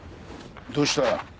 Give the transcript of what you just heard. どうした？